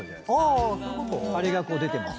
あれがこう出てます。